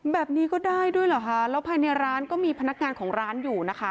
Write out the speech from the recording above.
แบบนี้ก็ได้ด้วยเหรอคะแล้วภายในร้านก็มีพนักงานของร้านอยู่นะคะ